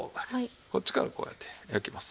こっちからこうやって焼きます。